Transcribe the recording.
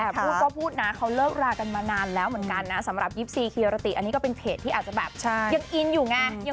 แต่พูดก็พูดนะเขาเลิกรากันมานานแล้วเหมือนกันนะสำหรับ๒๔คีรติอันนี้ก็เป็นเพจที่อาจจะแบบยังอินอยู่ไง